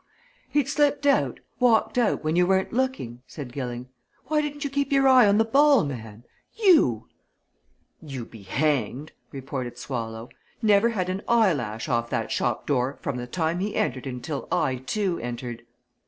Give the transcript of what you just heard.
"Pooh! he'd slipped out walked out when you weren't looking!" said Gilling. "Why didn't you keep your eye on the ball, man? you!" "You be hanged!" retorted Swallow. "Never had an eyelash off that shop door from the time he entered until I, too, entered."